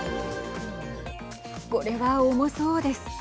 これは重そうです。